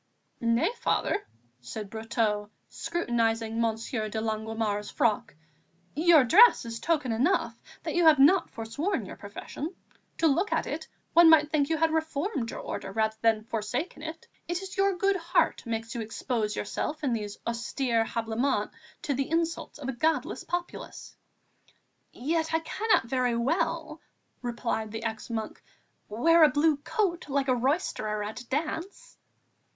"Nay, Father," said Brotteaux, scrutinizing Monsieur de Longuemare's frock, "your dress is token enough that you have not forsworn your profession; to look at it, one might think you had reformed your Order rather than forsaken it. It is your good heart makes you expose yourself in these austere habiliments to the insults of a godless populace." "Yet I cannot very well," replied the ex monk, "wear a blue coat, like a roisterer at a dance!"